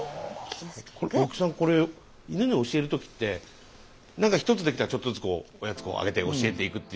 大木さんこれ犬に教える時って何か１つできたらちょっとずつおやつあげて教えていくっていう方法があるじゃないですか。